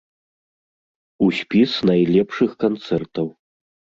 У спіс найлепшых канцэртаў.